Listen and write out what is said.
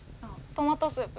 トマトスープ。